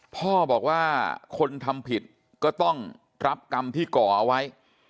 พ่อบอกว่าคนทำผิดก็ต้องรับกรรมที่ก่อเอาไว้